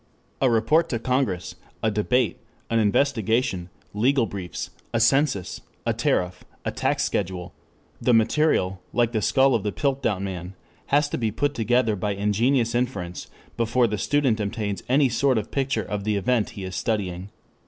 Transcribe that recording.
A report to Congress, a debate, an investigation, legal briefs, a census, a tariff, a tax schedule; the material, like the skull of the Piltdown man, has to be put together by ingenious inference before the student obtains any sort of picture of the event he is studying.